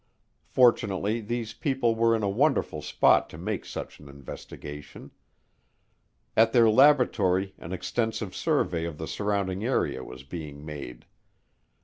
Fortunately these people were in a wonderful spot to make such an investigation. At their laboratory an extensive survey of the surrounding area was being made.